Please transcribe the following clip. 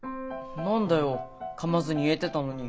何だよかまずに言えてたのに。